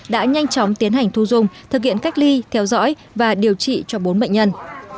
đã nhanh chóng tiến hành thu dung thực hiện cách ly theo dõi và điều trị cho bốn bệnh nhân